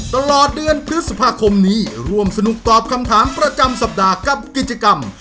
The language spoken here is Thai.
ตลอดเดือนพฤษภาคมนี้ร่วมสนุกตอบคำถามประจำสัปดาห์กับกิจกรรม